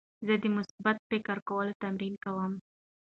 زه د مثبت فکر کولو تمرین کوم.